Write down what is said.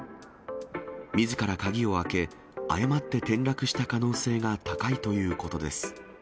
みずから鍵を開け、誤って転落した可能性が高いということです。